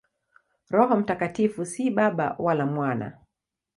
Roho Mtakatifu si Baba wala Mwana.